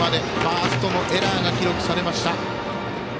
ファーストのエラーが記録されました。